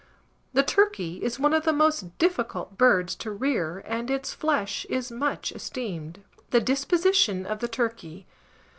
The turkey is one of the most difficult birds to rear, and its flesh is much esteemed. THE DISPOSITION OF THE TURKEY.